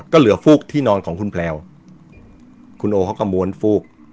ก็เหลือฟูกที่นอนของคุณแพลวคุณโอเขาก็ม้วนฟูก